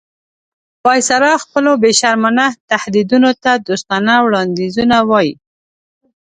وایسرا خپلو بې شرمانه تهدیدونو ته دوستانه وړاندیزونه وایي.